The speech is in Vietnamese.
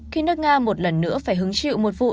khi nước nga một lần nữa phải hứng chịu một vụ tấn công khủng bố